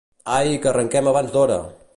Ai, que arrenquem abans d'hora!